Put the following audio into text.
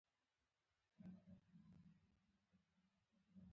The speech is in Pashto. ته خو ډير عادي وي ولې غدار شوي